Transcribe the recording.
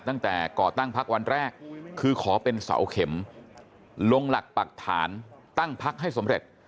ก่อตั้งพักวันแรกคือขอเป็นเสาเข็มลงหลักปักฐานตั้งพักให้สำเร็จ